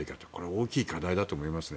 大きい課題だと思いますね。